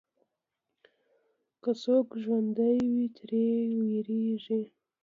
که څوک ژوندی وي، ترې وېرېږي.